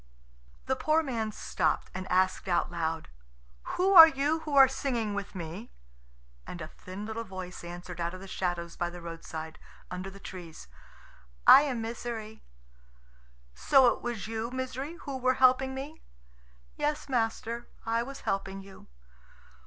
The poor man stopped, and asked out loud, "Who are you who are singing with me?" And a little thin voice answered out of the shadows by the roadside, under the trees, "I am Misery." "So it was you, Misery, who were helping me?" "Yes, master, I was helping you."